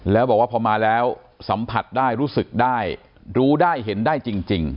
แล้วบอกว่าพอมาแล้วสัมผัสได้รู้สึกได้รู้ได้เห็นได้จริง